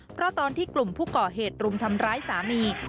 เพราะตอนที่กลุ่มผู้ก่อเหตุรุมทำร้ายสามี